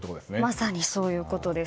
まさにそういうことです。